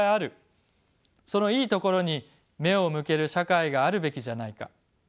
そのいいところに目を向ける社会があるべきじゃないか。